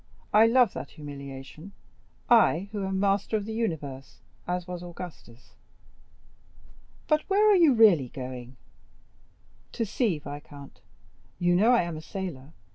I love that humiliation, I, who am master of the universe, as was Augustus." "But where are you really going?" "To sea, viscount; you know I am a sailor.